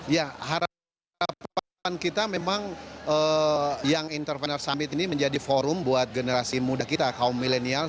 ya harapan kita memang young entrepreneur summit ini menjadi forum buat generasi muda kita kaum milenial